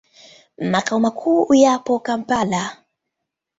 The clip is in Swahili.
Makao makuu yapo Kampala.